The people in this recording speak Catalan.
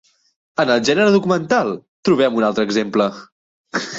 En el gènere documental trobem un altre exemple: